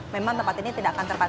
memang tempat ini tidak akan terpantau